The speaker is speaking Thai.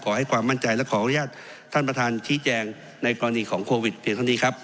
ขอให้ความมั่นใจและขออนุญาตท่านประธานชี้แจงในกรณีของโควิดเพียงเท่านี้ครับ